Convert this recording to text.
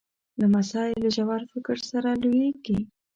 لمسی له ژور فکر سره لویېږي.